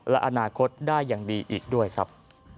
และอนาคตได้อย่างดีอีกด้วยครับ